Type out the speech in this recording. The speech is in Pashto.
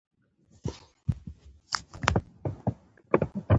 راته کتل دې؟ ما ورته وویل: خس او خاشاک باید ژر را ټول کړو.